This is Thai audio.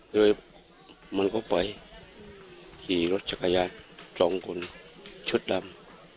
เลยมันก็ไปขี่รถชักขยัดสองคนชุดดำ